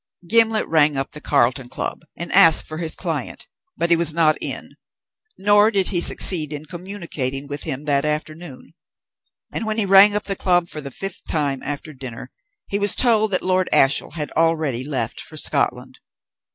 Gimblet rang up the Carlton Club and asked for his client, but he was not in, nor did he succeed in communicating with him that afternoon; and when he rang up the Club for the fifth time after dinner he was told that Lord Ashiel had already left for Scotland.